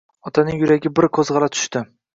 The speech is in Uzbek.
Otaning yuragi bir qo‘zg‘ala tushdi